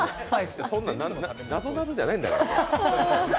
そんなん、なぞなぞじゃないんだから。